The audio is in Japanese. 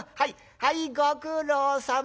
はいご苦労さま。